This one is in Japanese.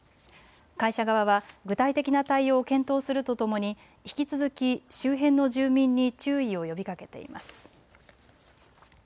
会社側は具体的な対応を検討するとともに引き続き周辺の住民に注意を呼びかけています。